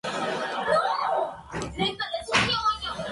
Sin embargo, Fisichella logró salvar un punto en Brasil.